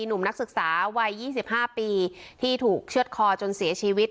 หนุ่มนักศึกษาวัย๒๕ปีที่ถูกเชื่อดคอจนเสียชีวิต